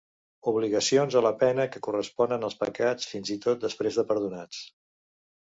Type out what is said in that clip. Obligacions a la pena que corresponen als pecats fins i tot després de perdonats.